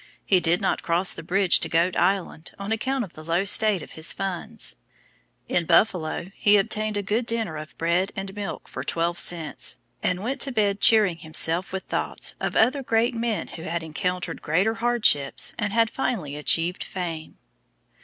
He did not cross the bridge to Goat Island on account of the low state of his funds. In Buffalo he obtained a good dinner of bread and milk for twelve cents, and went to bed cheering himself with thoughts of other great men who had encountered greater hardships and had finally achieved fame.